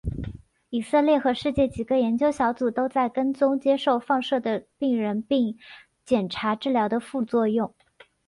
以色列和世界几个研究小组都在跟踪接受放射的病人并检查治疗的副作用。